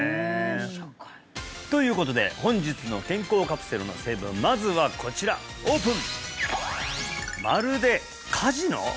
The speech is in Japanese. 社会ということで本日の健康カプセルの成分まずはこちらオープン！